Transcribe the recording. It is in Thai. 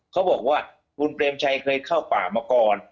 เขาบอกว่าคุณเปรมชัยเคยเข้าป่ามาก่อน